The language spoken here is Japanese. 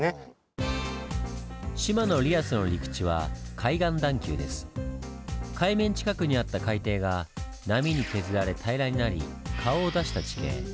海面近くにあった海底が波に削られ平らになり顔を出した地形。